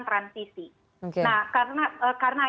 transisi nah karena